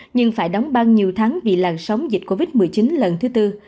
nhưng phải đóng băng nhiều tháng vì làn sóng dịch covid một mươi chín lần thứ tư